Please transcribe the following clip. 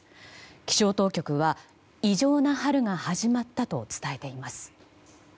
気象当局は、異常な春が始まったと伝えています。